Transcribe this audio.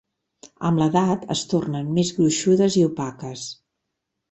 Amb l'edat, es tornen més gruixudes i opaques.